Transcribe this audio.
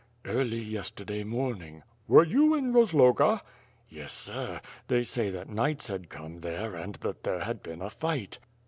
"Early yesterday morning." "Were you in Rozloga?" "Yes, sir. They say that knights had come there, and that there had been a fight."